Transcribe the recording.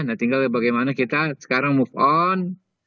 nah tinggal bagaimana kita sekarang move on